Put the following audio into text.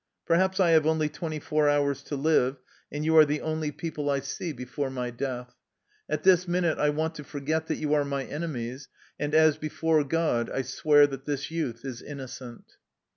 Perhaps I have only twenty four hours to live, and you are the only people I see 155 THE LIFE STOKY OF A EUSSIAN EXILE before my death. At this minute I want to for get that you are my enemies, and, as before God, I swear that this youth is innocent."